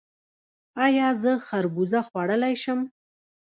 ایا زه خربوزه خوړلی شم؟